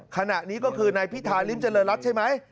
ขณะนี้ก็คือนายพิธาริมเจริญรัฐใช่ไหม